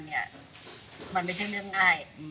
มันไม่ใช่เรื่องง่าย